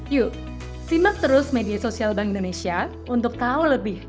yuk simak terus media sosial bank indonesia untuk kau lebih